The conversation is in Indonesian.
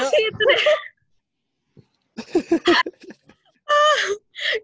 iya pasti itu deh